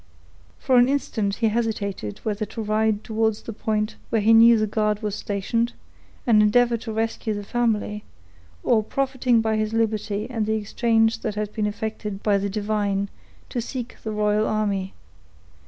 For an instant he hesitated, whether to ride towards the point where he knew the guard was stationed, and endeavor to rescue the family, or, profiting by his liberty and the exchange that had been effected by the divine, to seek the royal army.